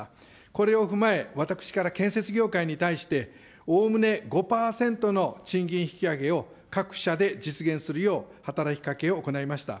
これを踏まえ、私から建設業界に対して、おおむね５％の賃金引き上げを各社で実現するよう働きかけを行いました。